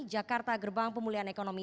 jakarta gerbang pemulihan ekonomi